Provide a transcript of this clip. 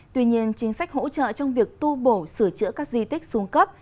tuy nhiên chính sách hỗ trợ trong việc tu bổ sửa chữa các di tích xuống cấp